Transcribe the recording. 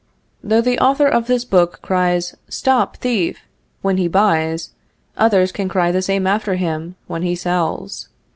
Though the author of this book cries stop thief, when he buys, others can cry the same after him, when he sells.